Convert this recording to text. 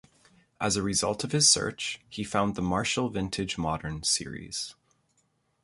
As a result of his search he found the Marshall Vintage Modern series.